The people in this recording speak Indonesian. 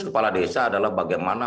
kepala desa adalah bagaimana